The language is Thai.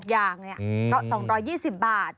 อย่างเนี่ยก็๒๒๐บาท